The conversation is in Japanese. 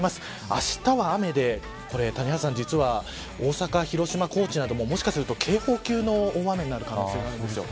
あしたは、雨では谷原さん、実は大阪、広島、高知などももしかすると警報級の大雨になる可能性があります。